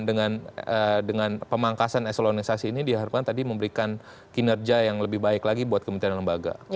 dengan pemangkasan eselonisasi ini diharapkan tadi memberikan kinerja yang lebih baik lagi buat kementerian lembaga